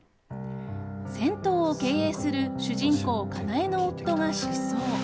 銭湯を経営する主人公かなえの夫が失踪。